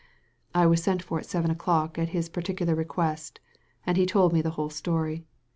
I was sent for at seven o'clock at his particular request, and he told me the whole story.